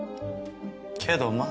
けどまあ